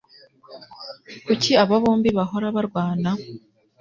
Kuki aba bombi bahora barwana?